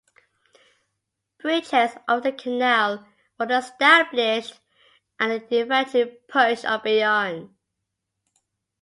Bridgeheads over the canal were established and the infantry pushed on beyond.